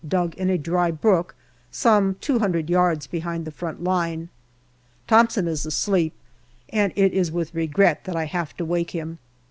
dug in a dry brook, some two hundred yards behind the front line. Thomson is asleep, and it is with regret that I have to wake him.